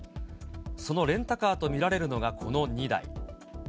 そのレンタカーと見られるのがこの２台。